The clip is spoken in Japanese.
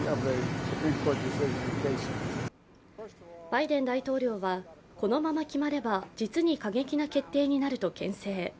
バイデン大統領は、このまま決まれば実に過激な決定になるとけん制。